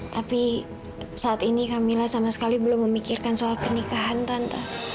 tapi saat ini camilla sama sekali belum memikirkan soal pernikahan tante